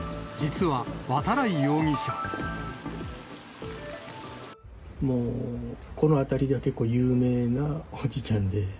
実は、もうこの辺りでは、結構有名なおじちゃんで。